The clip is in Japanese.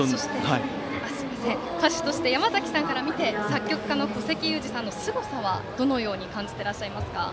歌手として山崎さんから見て作曲家の古関裕而さんのすごさは、どのように感じてらっしゃいますか？